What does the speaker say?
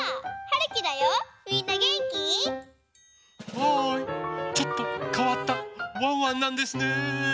ハイちょっとかわったワンワンなんですね。